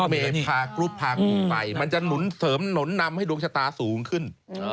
เมนพากรุ๊ปพากลุ่มไปมันจะหนุนเสริมหนุนนำให้ดวงชะตาสูงขึ้น